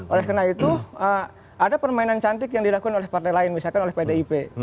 oleh karena itu ada permainan cantik yang dilakukan oleh partai lain misalkan oleh pdip